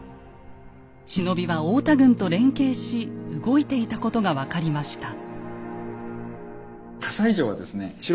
忍びは太田軍と連携し動いていたことが分かりました。